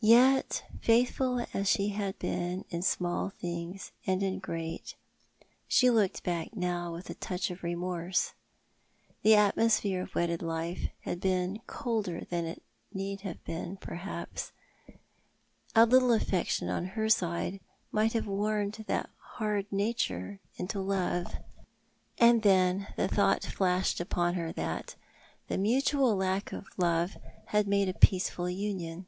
Yet, faithful as she had been in small things and in great, she looked back now with a touch of remorse. The atmo sphere of her wedded life had been colder than it need have been, perhaps — a little affection on her side might have warmed that hard nature into love. And then the thought flashed upon her that the mutual lack of love had made a peaceful union.